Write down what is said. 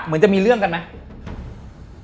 เหมือนจะมีเรื่องกันไหม